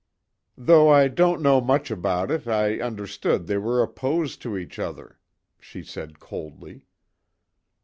"Though I don't know much about it, I understood they were opposed to each other," she said coldly.